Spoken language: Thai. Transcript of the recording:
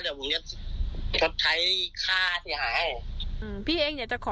เดี๋ยวผมเนี้ยจะใช้ค่าที่หาให้อืมพี่เองอยากจะขอ